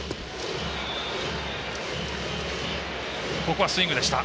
ここはスイングでした。